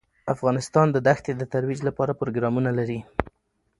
افغانستان د دښتې د ترویج لپاره پروګرامونه لري.